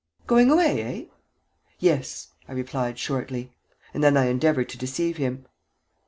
"Going away, eh?" "Yes," I replied, shortly, and then I endeavored to deceive him.